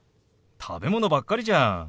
食べ物ばっかりじゃん。